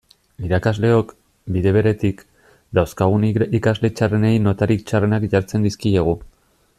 Irakasleok, bide beretik, dauzkagun ikasle txarrenei notarik txarrenak jartzen dizkiegu.